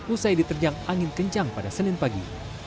usai diterjang angin kencang pada senin pagi